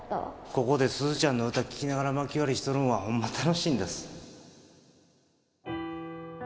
ここで鈴ちゃんの歌聴きながらまき割りしとるんはホンマ楽しいんだす。